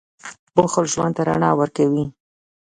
• بښل ژوند ته رڼا ورکوي.